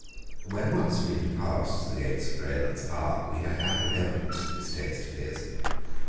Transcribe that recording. When once we had passed the gates of Greylands Park we had ample evidence of this taste of his.